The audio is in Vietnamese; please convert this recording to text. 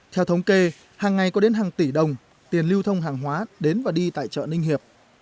theo thống kê hàng ngày có đến hàng tỷ đồng tiền lưu thông hàng hóa đến và đi tại chợ ninh hiệp